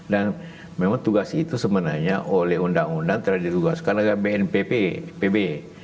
dan memang tugas itu sebenarnya oleh undang undang telah ditugaskan oleh bnpb